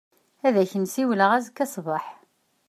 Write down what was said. Ad ak-n-siwleɣ azekka ṣṣbeḥ.